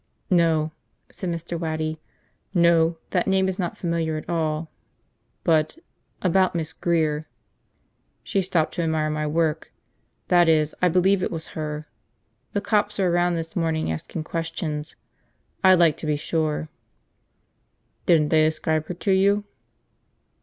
"No," said Mr. Waddy, "no, that name is not familiar at all. But – about Miss Grear?" "She stopped to admire my work. That is, I believe it was her. The cops were around this morning asking questions. I'd like to be sure." "Didn't they describe her to you?"